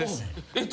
えっ！？